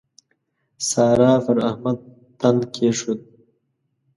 سارا پر احمد تن کېښود.